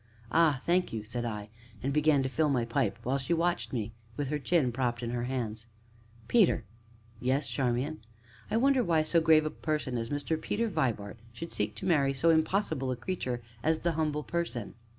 "Ah, thank you!" said I, and began to fill my pipe, while she watched me with her chin propped in her hands. "Peter!" "Yes, Charmian?" "I wonder why so grave a person as Mr. Peter Vibart should seek to marry so impossible a creature as the Humble Person?"